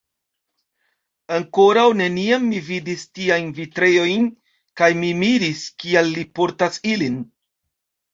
Ankoraŭ neniam mi vidis tiajn vitretojn kaj mi miris, kial li portas ilin.